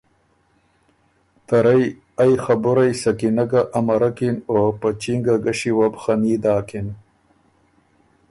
ته رئ ائ خبُرئ سکینه ګه امرکِن او په چینګه ګݭی وه بو خني داکِن